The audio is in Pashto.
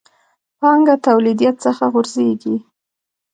پانګه توليديت څخه غورځېږي.